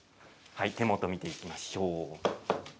手元を見ていきましょう。